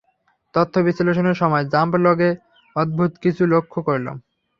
তথ্য বিশ্লেষণের সময় জাম্প লগে অদ্ভুত কিছু লক্ষ্য করলাম।